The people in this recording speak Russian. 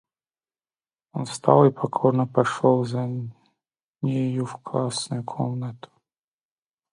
Он встал и покорно пошел за нею в классную комнату.